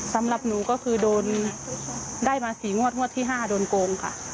สำหรับหนูก็คือโดนได้มา๔งวดงวดที่๕โดนโกงค่ะ